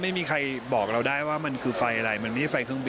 ไม่มีใครบอกเราได้ว่ามันคือไฟอะไรมันไม่ใช่ไฟเครื่องบิน